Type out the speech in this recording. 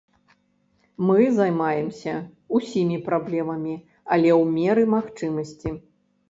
Мы займаемся ўсімі праблемамі, але ў меры магчымасці.